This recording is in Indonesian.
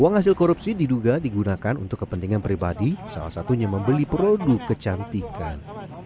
uang hasil korupsi diduga digunakan untuk kepentingan pribadi salah satunya membeli produk kecantikan